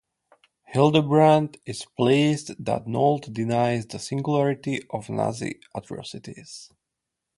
Hildebrand is pleased that Nolte denies the singularity of the Nazi atrocities.